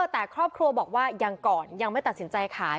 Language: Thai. แต่ครอบครัวบอกว่ายังก่อนยังไม่ตัดสินใจขาย